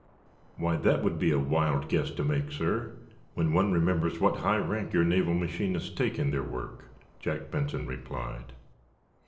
"Why, that would be a wild guess to make, sir, when one remembers what high rank your naval machinists take in their work," Jack Benson replied.